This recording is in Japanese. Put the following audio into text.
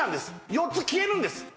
４つ消えるんです